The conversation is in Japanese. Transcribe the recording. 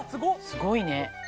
すごいね。